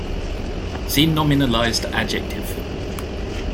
See nominalized adjective.